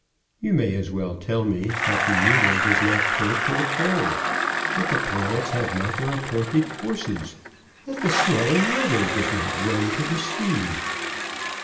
You may as well tell me that the needle does not point to the pole, that the planets have not their appointed courses, that the swelling river does not run to the sea.